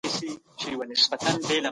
موږ نه سو کولای چي له نړۍ څخه شاته پاته سو.